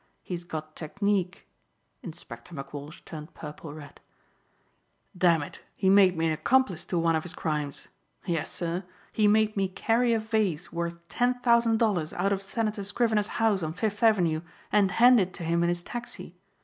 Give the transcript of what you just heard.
He's got technique." Inspector McWalsh turned purple red, "Dammit, he made me an accomplice to one of his crimes. Yes, sir, he made me carry a vase worth ten thousand dollars out of Senator Scrivener's house on Fifth Avenue and hand it to him in his taxi.